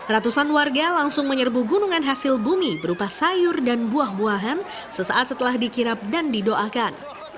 ratusan warga langsung menyerbu gunungan hasil bumi berupa sayur dan buah buahan sesaat setelah dikirap dan didoakan